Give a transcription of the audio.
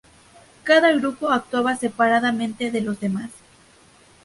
Cada grupo actuaba separadamente de los demás.